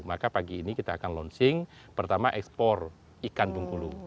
maka pagi ini kita akan launching pertama ekspor ikan bungkulu